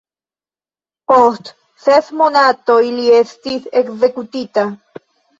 Post ses monatoj li estis ekzekutita.